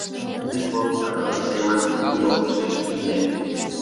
Тыге Пузырьков рывыж семын ний оптышеш пиже.